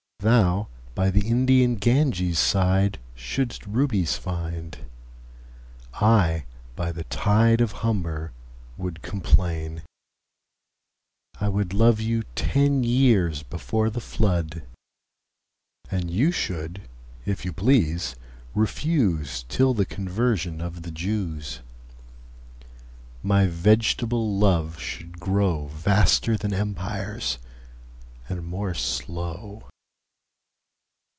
Thou by the Indian Ganges sideShould'st Rubies find: I by the TideOf Humber would complain. I wouldLove you ten years before the Flood:And you should if you please refuseTill the Conversion of the Jews.My vegetable Love should growVaster then Empires, and more slow.